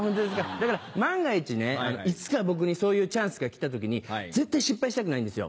だから万が一ねいつか僕にそういうチャンスが来た時に絶対失敗したくないんですよ。